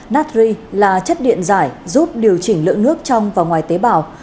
nát ri là chất điện giải giúp điều chỉnh lượng nước trong và ngoài tế bào